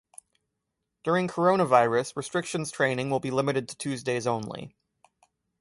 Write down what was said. During coronavirus restrictions training will be limited to Tuesdays only.